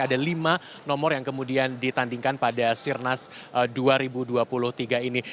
ada lima nomor yang kemudian ditandingkan pada sirnas dua ribu dua puluh tiga ini